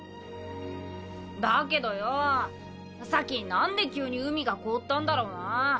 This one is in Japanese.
だけどよおさっきなんで急に海が凍ったんだろうなあ。